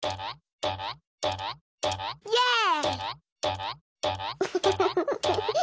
イエーイ！